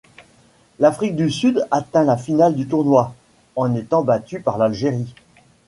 L'Afrique du Sud atteint la finale du tournoi, en étant battue par l'Algérie.